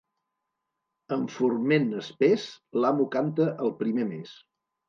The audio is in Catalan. Amb forment espès, l'amo canta el primer mes.